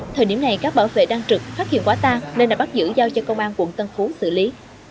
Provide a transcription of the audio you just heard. thời điểm này các bảo vệ đang trực phát hiện quá ta nên đã bắt giữ giao cho công an quận tân phú xử lý